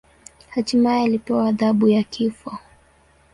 Hatimaye alipewa adhabu ya kifo.